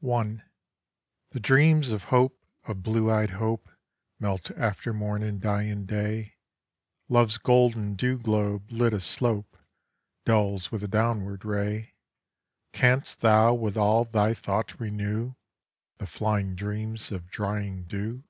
1. 'The dreams of Hope, of blue eyed Hope, Melt after morn and die in day; Love's golden dew globe, lit aslope, Dulls with a downward ray; Canst thou with all thy thought renew The flying dreams or drying dew?